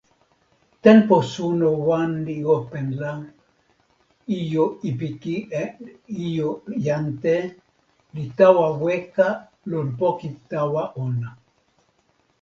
tenpo suno wan li open la, ijo Ipiki en ijo Jante li tawa weka lon poki tawa ona.